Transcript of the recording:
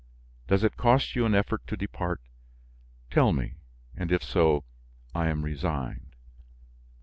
Does it cost you an effort to depart? Tell me, and if so, I am resigned."